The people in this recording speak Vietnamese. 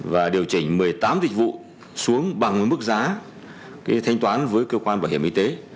và điều chỉnh một mươi tám dịch vụ xuống bằng mức giá thanh toán với cơ quan bảo hiểm y tế